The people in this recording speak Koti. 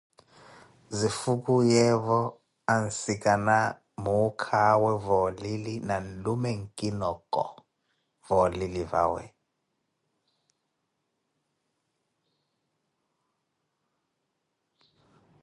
Zifukuwiyeewo, ansikana muukawe va oulili na nlume nkinoko va olili vawe